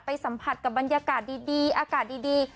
สัมผัสกับบรรยากาศดีอากาศดี